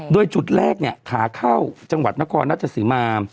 โดยจุดแรกเนี่ยขาเข้าจังหวัดนครราชสีมา